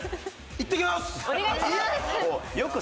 いってきます！